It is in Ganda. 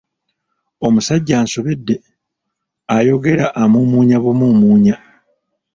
Omusajja ansobedde, ayogera amuumuunya bumuumuunya.